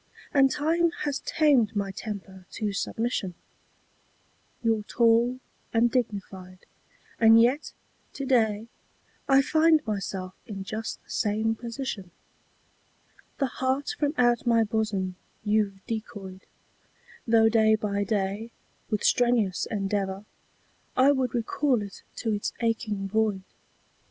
And time has tamed my temper to submission. You're tall and dignified, and yet to day I find myself in just the same position. The heart from out my bosom you've decoyed, Though day by day with strenuous endeavour I would recall it to its aching void.